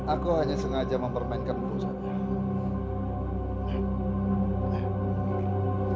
aku hanya sengaja mempermainkan perbosannya